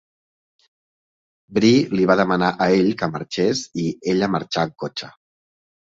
Bree li va demanar a ell que marxés i ella marxa en cotxe.